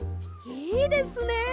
いいですね。